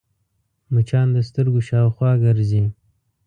مچان د سترګو شاوخوا ګرځي